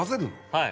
はい。